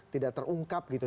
tidak terungkap gitu